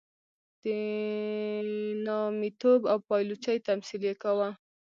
د نامیتوب او پایلوچۍ تمثیل یې کاوه.